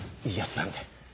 いいやつなんで。